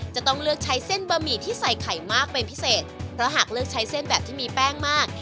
จะต้องเลือกใช้เส้นบะหมี่ที่ใส่ไข่มากเป็นพิเศษเพราะหากเลือกใช้เส้นแบบที่มีแป้งมาก